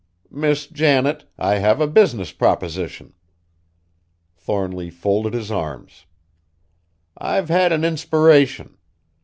"Miss Janet, I have a business proposition!" Thornly folded his arms. "I've had an inspiration.